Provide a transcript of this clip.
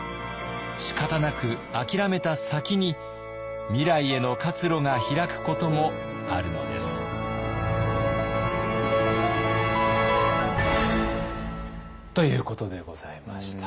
しかたなくあきらめた先に未来への活路が開くこともあるのです。ということでございました。